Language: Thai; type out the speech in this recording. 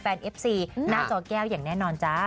เอฟซีหน้าจอแก้วอย่างแน่นอนจ้า